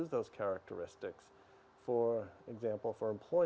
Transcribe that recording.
saya membacanya menambah notasi